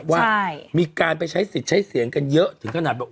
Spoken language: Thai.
ว่ามีการไปใช้สิทธิ์ใช้เสียงกันเยอะถึงขนาดบอก